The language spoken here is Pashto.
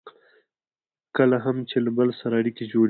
کله هم چې له بل سره اړیکې جوړې کړئ.